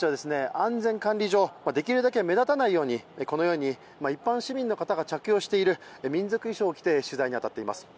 安全管理上できるだけ目立たないようにこのように一般市民の方が着用している民族衣装を着て取材に当たっています